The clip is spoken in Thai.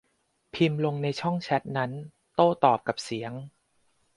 พิมพ์ลงในช่องแชตนั้น โต้ตอบกับเสียง